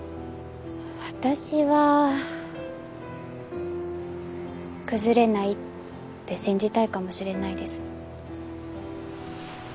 私は崩れないって信じたいかもしれないです。